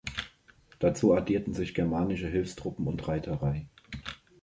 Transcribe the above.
Dazu addierten sich germanische Hilfstruppen und Reiterei.